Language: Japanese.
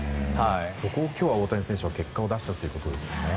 そこを今日は大谷選手は結果を出したということですね。